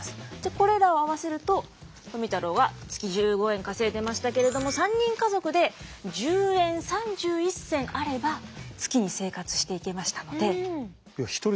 これらを合わせると富太郎は月１５円稼いでましたけれども３人家族で１０円３１銭あれば月に生活していけましたので。